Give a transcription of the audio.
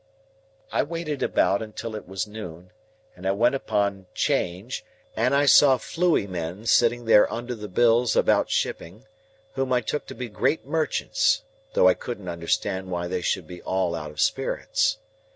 I waited about until it was noon, and I went upon 'Change, and I saw fluey men sitting there under the bills about shipping, whom I took to be great merchants, though I couldn't understand why they should all be out of spirits.